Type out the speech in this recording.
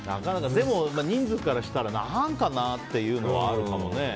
でも人数からしたらなんかなというのはあるかもね。